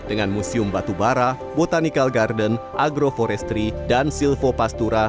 dengan museum batubara botanical garden agroforestry dan silvopastura